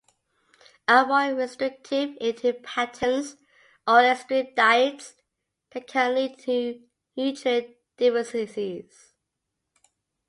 Avoid restrictive eating patterns or extreme diets that can lead to nutrient deficiencies.